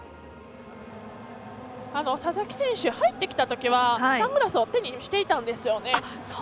佐々木選手入ってきたときはサングラスを手にしていたんですよね。